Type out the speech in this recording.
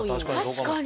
確かに！